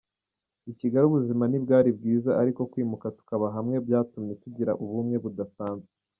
I Kigali ubuzima ntibwari bwiza ariko kwimuka tukaba hamwe byatumye tugirana ubumwe budasanzwe.